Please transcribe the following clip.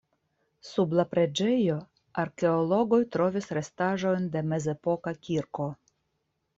Sub la preĝejo arkeologoj trovis restaĵojn de mezepoka kirko.